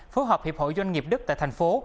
phối hợp hiệp hội doanh nghiệp đức tại thành phố